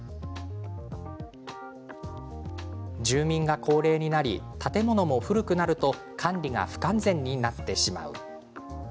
住民が高齢になり建物も古くなると管理が不完全になってしまう。